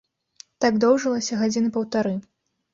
Так доўжылася гадзіны паўтары.